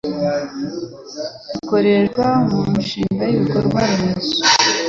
bikoreshwa mu mishinga y'ibikorwa remezo'.